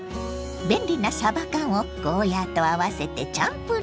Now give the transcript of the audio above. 便利なさば缶をゴーヤーと合わせてチャンプルーに。